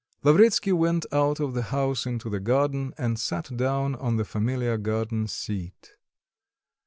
Lavretsky went out of the house into the garden, and sat down on the familiar garden seat.